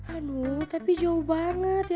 anu tapi jauh banget